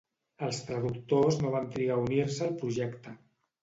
Els traductors no van trigar a unir-se al projecte.